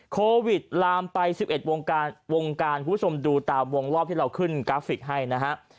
โควิดลามไป๑๑วงการวงการคุณผู้ชมดูตามวงรอบที่เราขึ้นกราฟิกให้นะฮะ